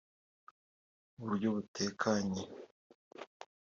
mu buryo butekanye